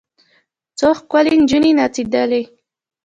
څو ښکلې نجونې نڅېدلې.